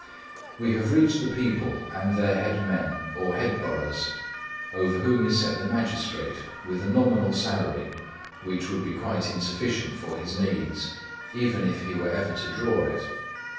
We have reached the people and their head men, or headboroughs, over whom is set the magistrate, with a nominal salary which would be quite insufficient for his needs, even if he were ever to draw it.